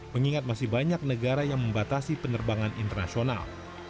mengingat masih banyak negara yang membatasi penerbangan internasional